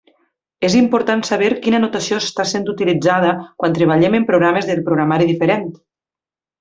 És important saber quina notació està sent utilitzada quan treballem en programes de programari diferent.